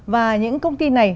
và những công ty này